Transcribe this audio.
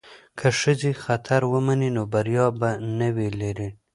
که ښځې خطر ومني نو بریا به نه وي لرې.